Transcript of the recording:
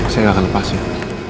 saya gak akan lepasin